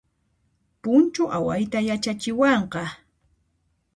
Punchu awayta yachachiwanqa